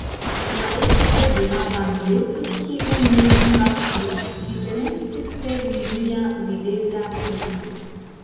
La estro de la bandeto, kiu nin kaptis, diferencis per nenia videbla signo.